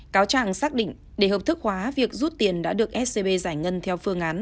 cáo trạng xác định để hợp thức hóa việc rút tiền đã được scb giải ngân theo phương án